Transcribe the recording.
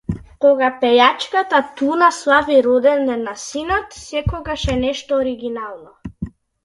Кога пејачата Туна слави роденден на синот, секогаш е нешто оргинално